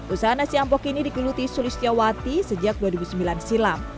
usaha nasi ampok ini dikeluti sulistya wati sejak dua ribu sembilan silam